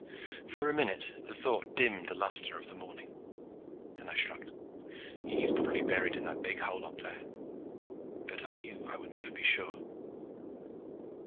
For a minute the thought dimmed the luster of the morning. Then I shrugged. "He's probably buried in that big hole up there." But I knew I would never be sure.